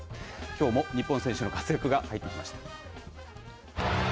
きょうも日本選手の活躍が入ってきました。